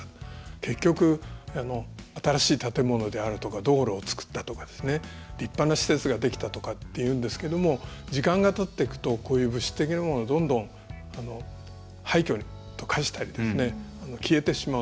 結局、新しい建物であるとか道路を造ったとかですね立派な施設ができたとかっていうんですけども時間がたっていくとこういう物質的なものはどんどん廃虚と化したりですね消えてしまう。